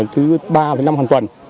thứ ba năm hàng tuần